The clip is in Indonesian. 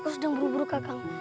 aku sedang buru buru kakak